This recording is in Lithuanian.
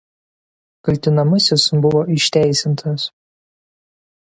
Kaltinamasis buvo išteisintas.